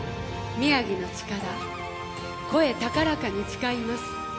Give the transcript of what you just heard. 宮城の地から声高らかに誓います！